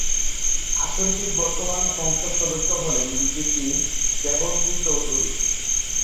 আসনটির বর্তমান সংসদ সদস্য হলেন বিজেপি-র দেবশ্রী চৌধুরী।